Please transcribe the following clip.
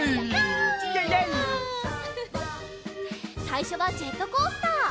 さいしょはジェットコースター。